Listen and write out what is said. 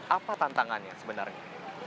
apa tantangannya sebenarnya